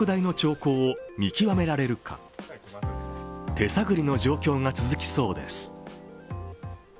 手探りの状況が続きそうです。